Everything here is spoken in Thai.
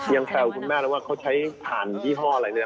ยังแข่วนคุณแม่แล้วว่าเขาใช้ผ่านยี่ห้ออะไร